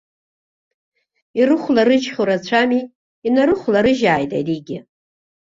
Ирыхәларыжьхьоу рацәами, инарыхәларыжьааит аригьы!